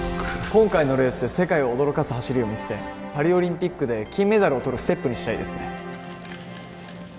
今回のレースで世界を驚かす走りを見せてパリオリンピックで金メダルをとるステップにしたいですね